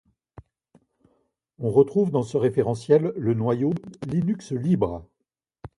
On retrouve dans ce référentiel le noyau Linux-libre.